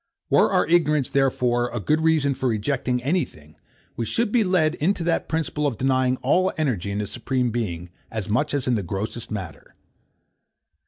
Were our ignorance, therefore, a good reason for rejecting any thing, we should be led into that principle of denying all energy in the Supreme Being as much as in the grossest matter.